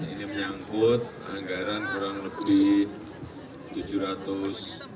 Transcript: ini menyangkut anggaran perusahaan